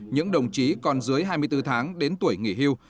những đồng chí còn dưới hai mươi bốn tháng đến tuổi nghỉ hưu